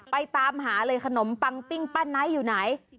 ตามหาเลยขนมปังปิ้งป้าไนท์อยู่ไหน